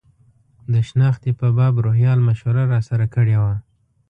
د شنختې په باب روهیال مشوره راسره کړې وه.